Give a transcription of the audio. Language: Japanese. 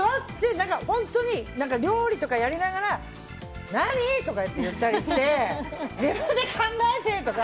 料理とかやりながら何ー？とかって言ったりして自分で考えて！とか。